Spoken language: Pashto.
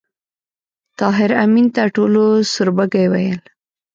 طاهر آمین ته ټولو سوربګی ویل